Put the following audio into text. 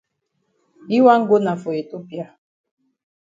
Yi wan go na for Ethiopia.